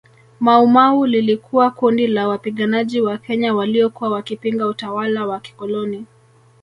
Maumau lilikuwa kundi la wapiganaji wa Kenya waliokuwa wakipinga utawala wa kikoloni